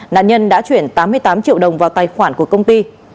nạn nhân đã chuyển tám mươi tám triệu đồng vào tài khoản của công ty